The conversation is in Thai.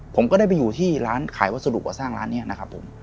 ผมก็ได้ไปอยู่ที่ร้านขายวัสดุก่อสร้างร้านนี้นะครับผม